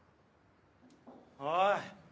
おい！